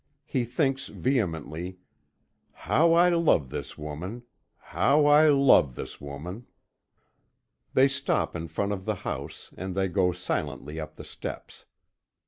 He thinks vehemently: "How I love this woman! How I love this woman!" They stop in front of the house, and they go silently up the steps.